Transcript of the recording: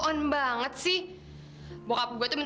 oh gak mungkin